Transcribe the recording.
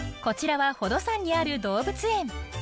こちらは宝登山にある動物園。